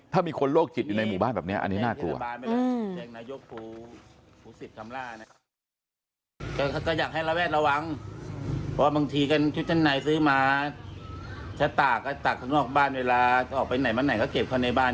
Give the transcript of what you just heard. ถ้ามีคนโรคจิตอยู่ในหมู่บ้านแบบนี้อันนี้น่ากลัว